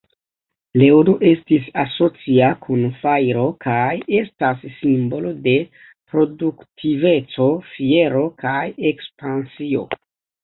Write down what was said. Leono estis asocia kun fajro kaj estas simbolo de produktiveco, fiero, kaj ekspansio.